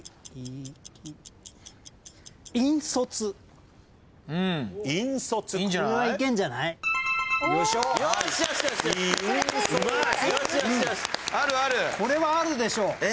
・これはあるでしょう。